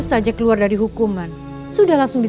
saya mencintai saya sendiri